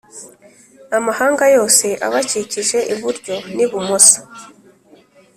Amahanga yose abakikije iburyo n ibumoso